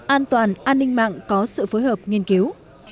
an toàn an ninh mạng có sự phối hợp nghiên cứu